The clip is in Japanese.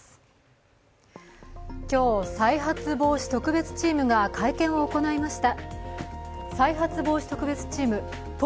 今日、再発防止特別チームが会見を行いました。